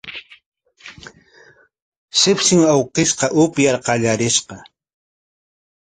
Shipshim awkishqa upyar qallarishqa